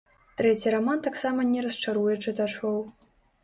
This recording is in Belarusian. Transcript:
Трэці раман таксама не расчаруе чытачоў.